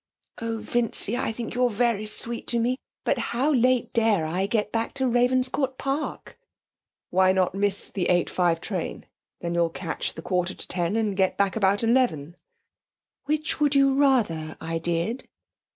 'Oh, Vincy, I think you're very sweet to me, but how late dare I get back to Ravenscourt Park?' 'Why not miss the eight five train? then you'll catch the quarter to ten and get back at about eleven.' 'Which would you rather I did?'